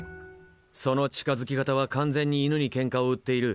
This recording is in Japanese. その近づき方は完全に犬にケンカを売っている。